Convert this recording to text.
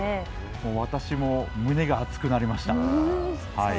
私も胸が熱くなりました。